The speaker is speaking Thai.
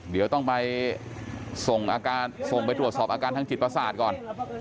เดี๋ยวต้องไปส่งอาการ